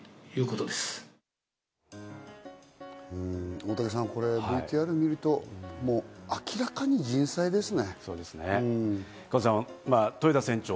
大竹さん、ＶＴＲ見ると明らかに人災ですね。